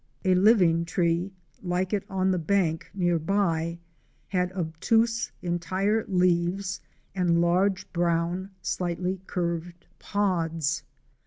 A living tree like it on the bank near by had obtuse entire leaves and large, brown, slightly curved pods.